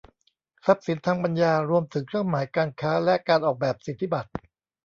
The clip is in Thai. ทรัพย์สินทางปัญญารวมถึงเครื่องหมายการค้าและการออกแบบสิทธิบัตร